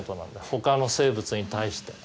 ほかの生物に対して。